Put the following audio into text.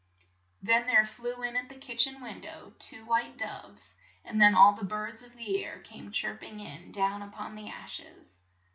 Then there flew in at the kitch en win dow two white doves, and then all the birds of the air came chirp ing in down up on the ash es.